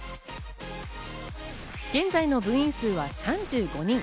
現在の部員数は３５人。